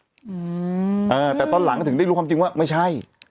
อืมเออแต่ตอนหลังก็ถึงได้รู้ความจริงว่าไม่ใช่